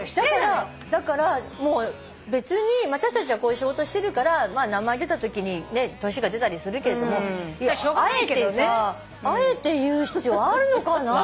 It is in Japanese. だから別に私たちはこういう仕事してるから名前出たときに年が出たりするけれどもあえてさあえて言う必要あるのかな？って。